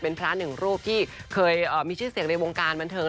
เป็นพระหนึ่งรูปที่เคยมีชื่อเสียงในวงการบันเทิง